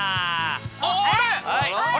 あれ？